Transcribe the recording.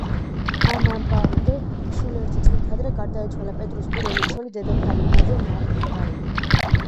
ამ ამბამდე სულ ერთი წლით ადრე გარდაიცვალა პედროს პირველი ცოლი, დედოფალი მარია ნავარელი.